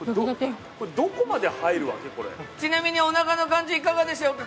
ちなみにお腹の感じはいかがでしょうか？